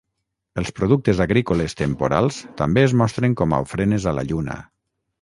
Els productes agrícoles temporals també es mostren com a ofrenes a la lluna.